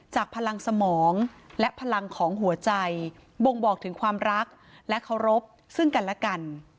พลังสมองและพลังของหัวใจบ่งบอกถึงความรักและเคารพซึ่งกันและกัน